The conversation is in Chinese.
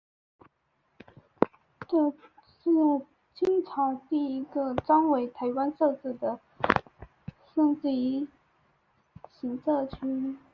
这是清朝第一个专为台湾设置的省级行政区。